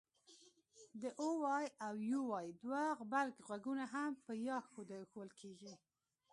د oy او uy دوه غبرګغږونه هم په ی ښوول کېږي